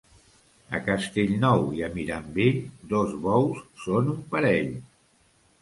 A Castellnou i a Mirambell, dos bous són un parell.